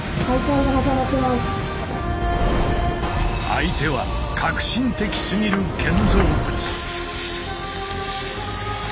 相手は革新的すぎる建造物。